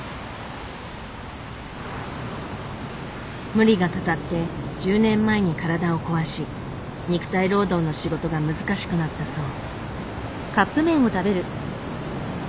無理がたたって１０年前に体を壊し肉体労働の仕事が難しくなったそう。